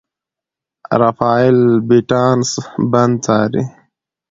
رافایل بیټانس بند څاري.